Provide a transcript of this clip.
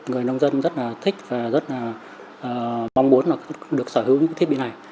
người nông dân rất là thích và rất là mong muốn được sở hữu thiết bị này